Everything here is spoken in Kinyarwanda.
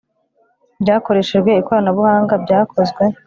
byakoreshejwe ikoranabuhanga byakozwe